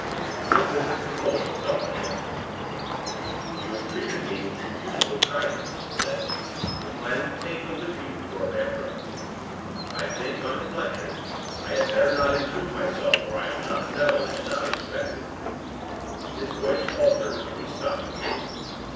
Midwinter controlled himself, and answered: "You have treated me with your usual kindness," he said, "in planning to take me with you to Thorpe Ambrose. I think, on reflection, I had better not intrude myself where I am not known and not expected." His voice faltered, and he stopped again.